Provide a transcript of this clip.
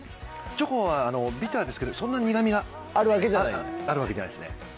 チョコはビターですけどそんなに苦みがあるわけじゃないですね。